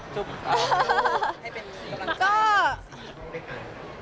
ให้เป็นกำลังใจ